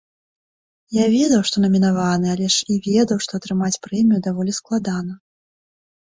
Я ведаў, што намінаваны, але ж і ведаў, што атрымаць прэмію даволі складана.